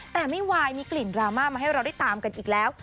แต่ไม่ไหวมีกลิ่นดราม่ามาให้เราได้ตามกันอีกแล้ว